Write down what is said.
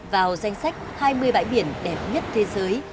vào danh sách hai mươi bãi biển đẹp nhất thế giới